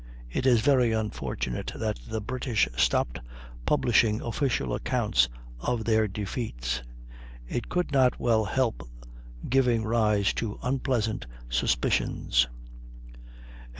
It is very unfortunate that the British stopped publishing official accounts of their defeats; it could not well help giving rise to unpleasant suspicions.